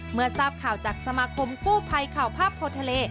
เมื่อทราบข่าวจากสมาคมกู้ภัยข่าวภาพโพทะเล